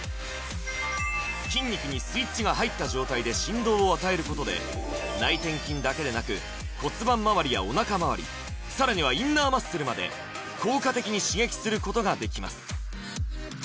筋肉にスイッチが入った状態で振動を与えることで内転筋だけでなく骨盤まわりやおなかまわりさらにはインナーマッスルまで効果的に刺激することができます